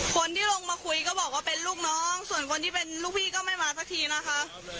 คนที่ลงมาคุยก็บอกว่าเป็นลูกน้องส่วนคนที่เป็นลูกพี่ก็ไม่มาสักทีนะคะ